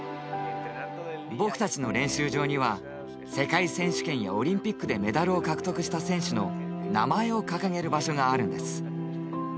僕たちの練習場には世界選手権やオリンピックでメダルを獲得した選手の名前を掲げる場所があるんです。